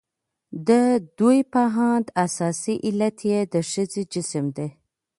د ددوى په اند اساسي علت يې د ښځې جسم دى.